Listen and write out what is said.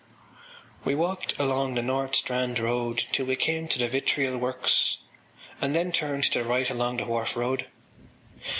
” We walked along the North Strand Road till we came to the Vitriol Works and then turned to the right along the Wharf Road.